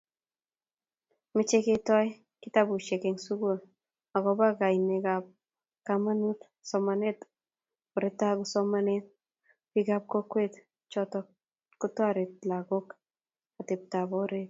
meche ketoy kitabushek engsugul agoba kaineagobo kamanuut somaneetab oretago somanetab biikapkokwet chetoskotoret lagookago ateptaporet